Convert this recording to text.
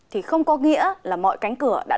thì không có nghĩa là mọi cánh cửa đã